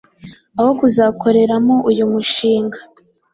aho kuzakoreramo uyu mushinga.